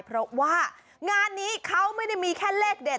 เพราะว่างานนี้เขาไม่ได้มีแค่เลขเด็ด